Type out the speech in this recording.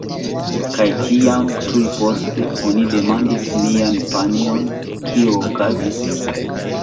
Kaj tiam, tuj poste, oni demandis mian panjon "kio okazis?"